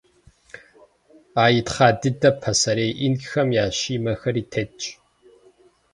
А итхъа дыдэм пасэрей инкхэм я Щимэхэри тетщ.